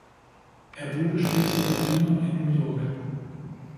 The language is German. Er wurde später Rabbiner in New York.